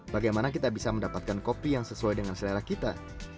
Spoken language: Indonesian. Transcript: bagaimana kita bisa mendapatkan kopi yang sesuai dengan selera kita